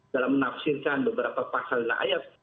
dalam menafsirkan beberapa fasilitas ayat